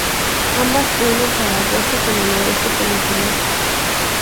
Ambas unen Zaragoza con el oeste peninsular.